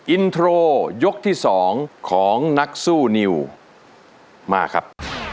อินโทรยกที่๒ของนักสู้นิวมาครับ